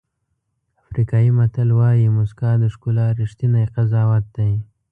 افریقایي متل وایي موسکا د ښکلا ریښتینی قضاوت دی.